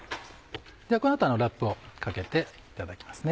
ではこの後ラップをかけていただきますね。